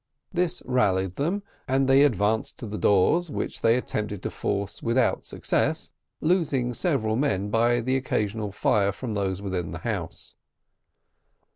This rallied them, and they advanced to the doors, which they attempted to force without success, losing several men by the occasional fire from those within the house.